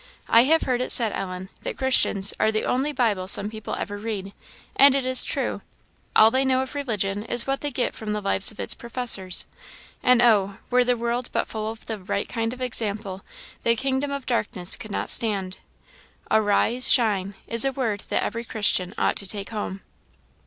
I have heard it said, Ellen, that Christians are the only Bible some people ever read; and it is true; all they know of religion is what they get from the lives of its professors; and oh! were the world but full of the right kind of example, the kingdom of darkness could not stand. 'Arise, shine!' is a word that every Christian ought to take home."